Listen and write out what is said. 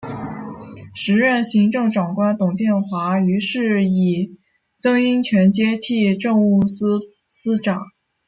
时任行政长官董建华于是以曾荫权接替政务司司长。